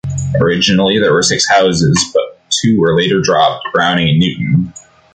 Originally there were six houses, but two were later dropped: Browning and Newton.